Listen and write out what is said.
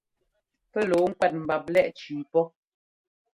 Pɛ́ lɔ̌ɔ ŋkúɛ́t mbap lɛ́ʼ cʉʉ pɔ.